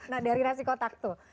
nah dari nasi kotak tuh